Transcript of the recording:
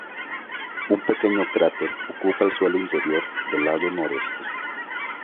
Un pequeño cráter ocupa el suelo interior del lado noroeste.